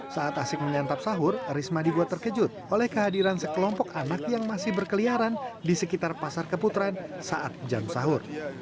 saat asik menyantap sahur risma dibuat terkejut oleh kehadiran sekelompok anak yang masih berkeliaran di sekitar pasar keputaran saat jam sahur